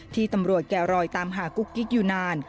ที่ตำรวจแกะรอยตามหากุ๊กกิ๊กอยู่นาน